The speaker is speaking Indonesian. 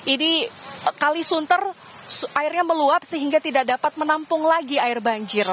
ini kali sunter airnya meluap sehingga tidak dapat menampung lagi air banjir